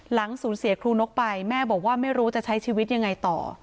หลังสูญเสียครูนกไปแม่บอกว่าไม่รู้จะใช้ชีวิตยังไงต่อ